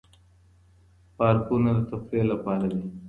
پارکونه د تفريح لپاره دي.